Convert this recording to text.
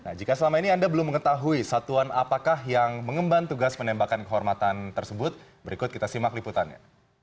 nah jika selama ini anda belum mengetahui satuan apakah yang mengemban tugas menembakkan kehormatan tersebut berikut kita simak liputannya